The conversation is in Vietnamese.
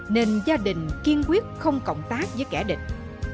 nên gia đình kiên quyết không cộng tác với kẻ địch